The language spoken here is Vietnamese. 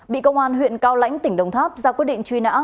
bị công an huyện cao lãnh tỉnh đồng tháp ra quyết định truy nã